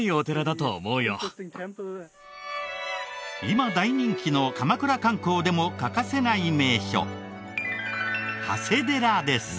今大人気の鎌倉観光でも欠かせない名所。